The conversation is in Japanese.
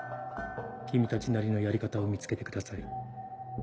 君たちなりのやり方を見つけてください。